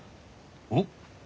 おっ。